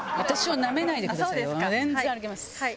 全然歩けます。